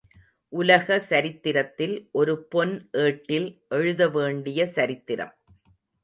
உலக சரித்திரத்தில் ஒரு பொன் ஏட்டில் எழுதவேண்டிய சரித்திரம்.